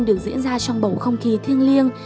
được diễn ra trong bầu không khí thiêng liêng